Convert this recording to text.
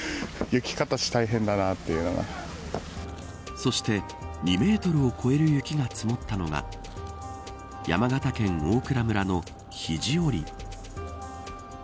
そして、２メートルを超える雪が積もったのが山形県大蔵村の肘折。